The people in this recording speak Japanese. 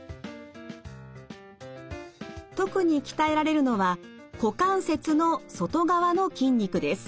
特に鍛えられるのは股関節の外側の筋肉です。